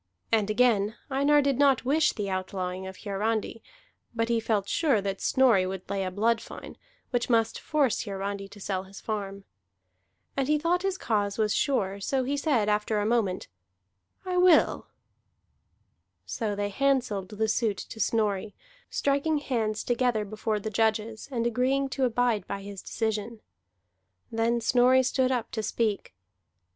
And again, Einar did not wish the outlawing of Hiarandi; but he felt sure that Snorri would lay a blood fine, which must force Hiarandi to sell his farm. And he thought his cause was sure, so he said after a moment: "I will." So they handselled the suit to Snorri, striking hands together before the judges, and agreeing to abide by his decision. Then Snorri stood up to speak.